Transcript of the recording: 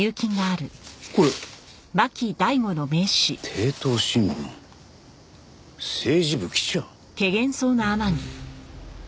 「帝東新聞政治部記者」？